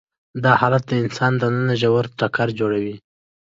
دا حالت د انسان دننه ژور ټکر جوړوي.